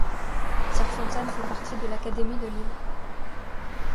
Cerfontaine fait partie de l'académie de Lille.